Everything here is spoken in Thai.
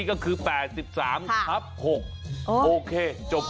มันคุ้นเหมือนกันเนาะตอนจบ